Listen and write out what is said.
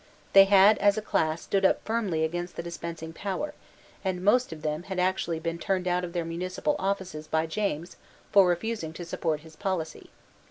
They had, as a class, stood up firmly against the dispensing power; and most of them had actually been turned out of their municipal offices by James for refusing to support his policy.